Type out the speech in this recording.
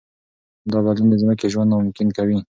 دا بدلون د ځمکې ژوند ناممکن کوي.